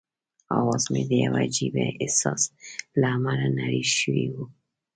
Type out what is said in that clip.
اواز مې د یوه عجيبه احساس له امله نری شوی وو.